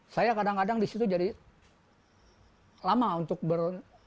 saya kadang kadang disitu jadi lama untuk ber